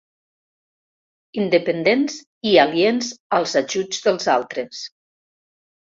Independents i aliens als ajuts dels altres.